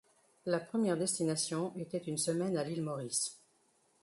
La première destination était une semaine à l'île Maurice.